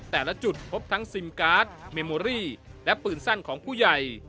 แต่ละจุดพบทั้งซิมการ์ดเมโมรี่และปืนสั้นของผู้ใหญ่